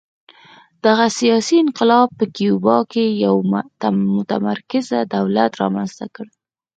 دغه سیاسي انقلاب په کیوبا کې یو متمرکز دولت رامنځته کړ